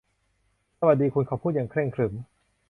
สวัสดีคุณ เขาพูดอย่างเคร่งขรึม